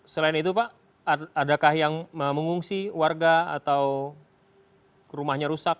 selain itu pak adakah yang mengungsi warga atau rumahnya rusak